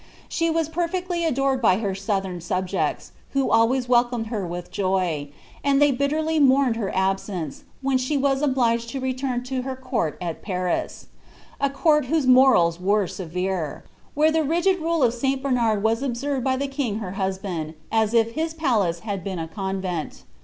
* She was perfectly adored hf her southern subjects, who always welcomed her with joy, and they bitteriy mourned her absence, when she was obliged to return to her court at Paris ; a court whose morals were severe ; where the rigid rule of St Bernard was observed by the king her husband, as if his palace had been a convent.